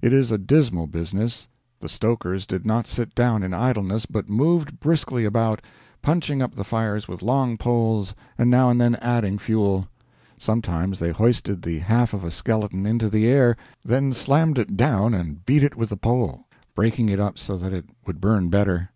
It is a dismal business. The stokers did not sit down in idleness, but moved briskly about, punching up the fires with long poles, and now and then adding fuel. Sometimes they hoisted the half of a skeleton into the air, then slammed it down and beat it with the pole, breaking it up so that it would burn better.